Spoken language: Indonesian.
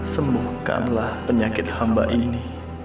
sembuhkanlah penyakit hamba ini